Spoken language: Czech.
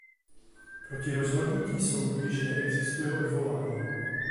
Proti rozhodnutí soudu již neexistuje odvolání.